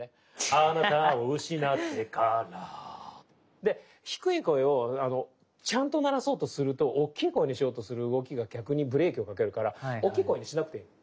あなたをうしなってからで低い声をちゃんと鳴らそうとするとおっきい声にしようとする動きが逆にブレーキをかけるからおっきい声にしなくていい。